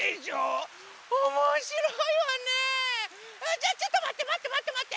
じゃあちょっとまってまってまってまって。